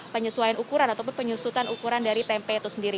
penyesuaian ukuran ataupun penyusutan ukuran dari tempe itu sendiri